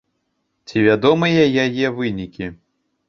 Ці вядомыя яе вынікі?